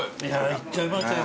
いっちゃいましたよ